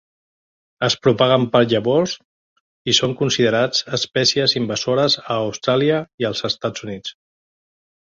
Es propaguen per llavors i són considerats espècies invasores a Austràlia i els Estats Units.